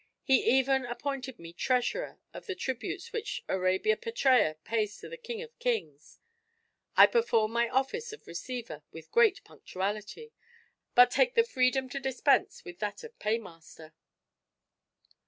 He even appointed me treasurer of the tributes which Arabia Petraea pays to the king of kings. I perform my office of receiver with great punctuality; but take the freedom to dispense with that of paymaster.